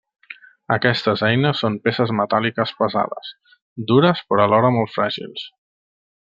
Aquestes eines són peces metàl·liques pesades, dures però alhora molt fràgils.